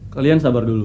kalian sabar dulu